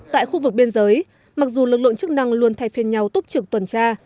tại khu vực biên giới mặc dù lực lượng chức năng luôn thay phiên nhau túc trực tuần tra